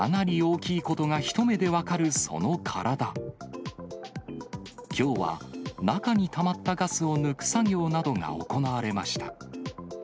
きょうは中にたまったガスを抜く作業などが行われました。